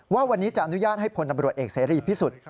ว่าวันนี้จะอนุญาตให้พลตำรวจเอกเสรีพิสุทธิ์